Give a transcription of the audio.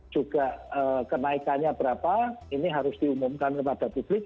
juga kenaikannya berapa ini harus diumumkan kepada publik